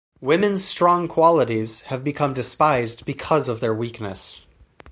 Women's strong qualities have become despised because of their weakness.